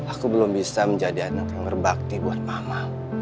aku belum bisa menjadi anak yang berbakti buat mama